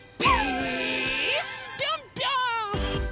ぴょんぴょん！